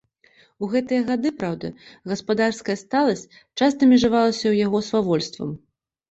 У гэтыя гады, праўда, гаспадарская сталасць часта межавалася ў яго з свавольствам.